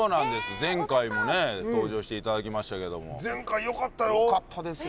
前回もね登場していただきましたけども前回よかったよよかったですよ